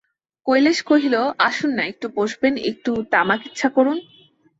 কৈলাস কহিল, আসুন-না একটু বসবেন, একটু তামাক ইচ্ছা করুন।